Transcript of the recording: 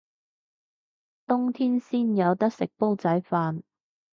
冬天先有得食煲仔飯